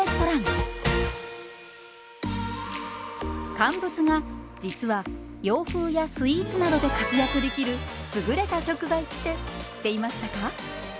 乾物が実は洋風やスイーツなどで活躍できる優れた食材って知っていましたか？